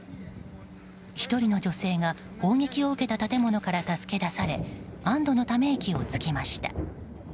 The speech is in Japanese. １人の女性が砲撃を受けた建物から助け出され安堵のため息をつきました。